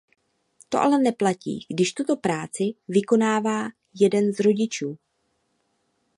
To ale neplatí, když tuto práci vykonává jeden z rodičů.